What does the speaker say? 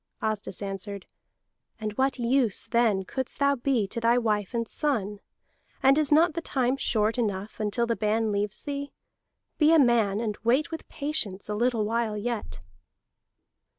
Asdis answered: "And what use then couldst thou be to thy wife and son; and is not the time short enough until the ban leaves thee? Be a man, and wait with patience a little while yet!"